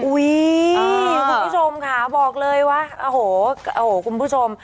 คุณผู้ชมค่ะบอกเลยว่าโอ้โหคุณผู้ชม